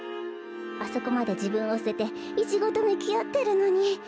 あそこまでじぶんをすててイチゴとむきあってるのに。